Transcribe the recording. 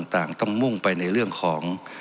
ต่างต้องมุ่งไปในเรื่องของ